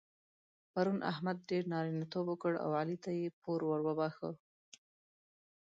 پرون احمد ډېر نارینتوب وکړ او علي ته يې پور ور وباښه.